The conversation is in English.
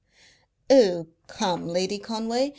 "Oh, come, Lady Conway!